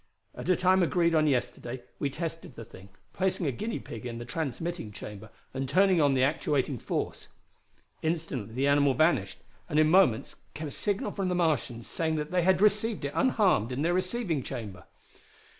At a time agreed on yesterday we tested the thing, placing a guinea pig in the transmitting chamber and turning on the actuating force. Instantly the animal vanished, and in moments came a signal from the Martians saying that they had received it unharmed in their receiving chamber.